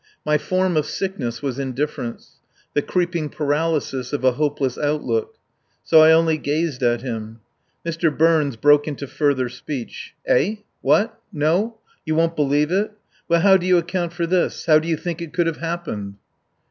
My form of sickness was indifference. The creeping paralysis of a hopeless outlook. So I only gazed at him. Mr. Burns broke into further speech. "Eh! What! No! You won't believe it? Well, how do you account for this? How do you think it could have happened?"